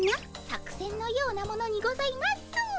作せんのようなものにございます。